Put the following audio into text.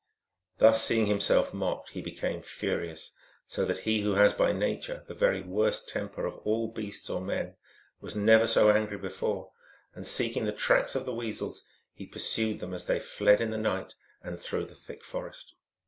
Thus, seeing himself mocked, he became furi ous ; so that he who has by nature the very worst tem per of all beasts or men was never so angry before, and, seeking the tracks of the Weasels, he pursued them as they fled in the night and through the thick forest.